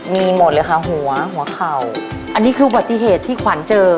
มีหมดเลยค่ะหัวหัวเข่าอันนี้คืออุบัติเหตุที่ขวัญเจอ